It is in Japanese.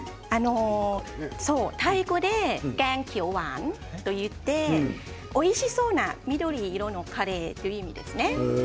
タイ語でゲーンキオワーンといっておいしそうな緑色のカレーという意味ですね。